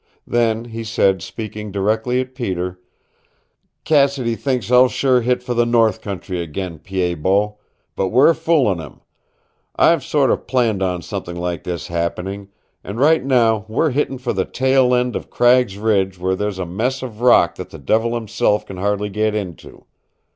Then he said, speaking directly at Peter, "Cassidy thinks I'll sure hit for the North country again, Pied Bot. But we're foolin' him. I've sort of planned on something like this happening, and right now we're hittin' for the tail end of Cragg's Ridge where there's a mess of rock that the devil himself can hardly get into.